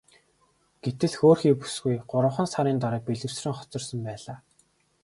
Гэтэл хөөрхий бүсгүй гуравхан сарын дараа бэлэвсрэн хоцорсон байна.